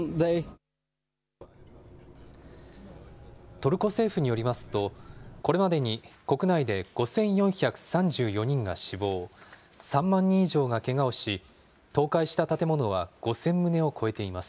トルコ政府によりますと、これまでに国内で５４３４人が死亡、３万人以上がけがをし、倒壊した建物は５０００棟を超えています。